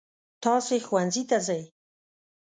تاسې ښوونځي ته ځئ.